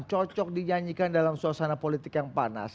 cocok dinyanyikan dalam suasana politik yang panas